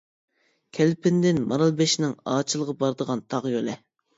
كەلپىندىن مارال بېشىنىڭ ئاچىلىغا بارىدىغان تاغ يولى.